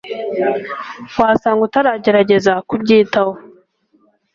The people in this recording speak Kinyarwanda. wasanga utaragerageza kubyitaho